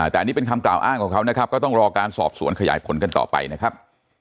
แต่อันนี้เป็นคำกล่าวอ้างของเขานะครับก็ต้องรอการสอบสวนขยายผลกันต่อไปนะครับ